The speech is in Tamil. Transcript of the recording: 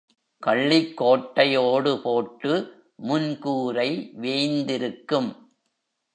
கள்ளிக் கோட்டை ஓடு போட்டு முன்கூரை வேய்ந்திருக்கும்.